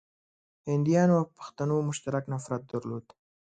هنديانو او پښتنو مشترک نفرت درلود.